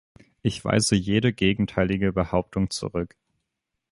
Ich weise jede gegenteilige Behauptung zurück.